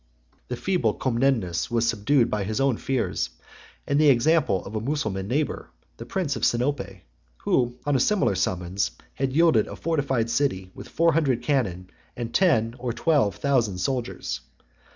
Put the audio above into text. The feeble Comnenus was subdued by his own fears, 881 and the example of a Mussulman neighbor, the prince of Sinope, 89 who, on a similar summons, had yielded a fortified city, with four hundred cannon and ten or twelve thousand soldiers.